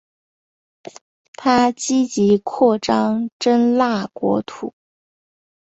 他积极扩张真腊国土。